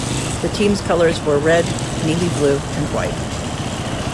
The team's colors were red, navy blue and white.